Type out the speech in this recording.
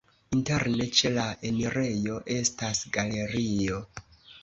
Interne ĉe la enirejo estas galerio.